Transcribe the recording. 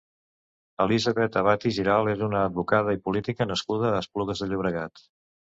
Elisabeth Abad i Giralt és una advocada i política nascuda a Esplugues de Llobregat.